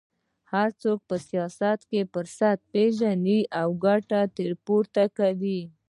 هر څوک په سیاست کې فرصت پېژني او ګټه ترې پورته کوي